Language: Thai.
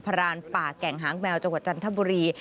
รานป่าแก่งหางแมวจังหวัดจันทบุรี